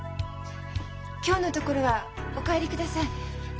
今日のところはお帰りください。